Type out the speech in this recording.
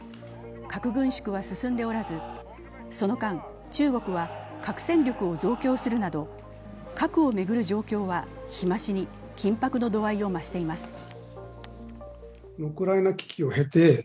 核軍縮は進んでおらず、その間、中国は核戦力を増強するなど核を巡る状況は日増しに緊迫の度合いを増しています。